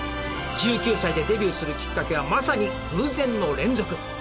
１９歳でデビューするきっかけはまさに偶然の連続！